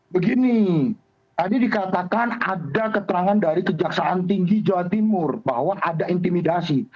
begini tadi dikatakan ada keterangan dari kejaksaan tinggi jawa timur bahwa ada intimidasi